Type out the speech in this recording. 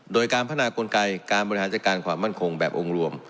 โดยการพัฒนากลไกการบริหารจัดการความมั่นคงแบบองค์รวม